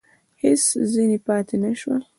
هېڅ ځني پاته نه شول !